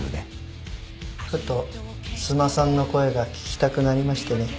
ふと須磨さんの声が聞きたくなりましてね。